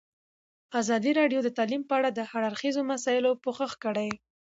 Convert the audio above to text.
ازادي راډیو د تعلیم په اړه د هر اړخیزو مسایلو پوښښ کړی.